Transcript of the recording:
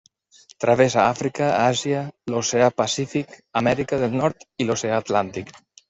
Travessa Àfrica, Àsia, l'Oceà Pacífic, Amèrica del Nord l'oceà Atlàntic.